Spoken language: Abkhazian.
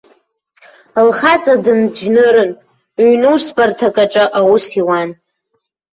Лхаҵа дынџьнырын, ҩнусбарҭак аҿы аус иуан.